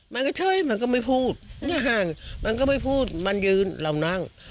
มันก็ใช่มันก็ไม่พูดไม่ห่างมันก็ไม่พูดมันยืนเรานั่ง